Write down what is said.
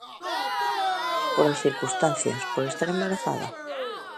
Polas circunstancias, por estar embarazada?